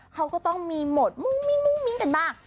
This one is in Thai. เขาก็ต้องมีโหมดมุ้งมิ้งกันบ้าง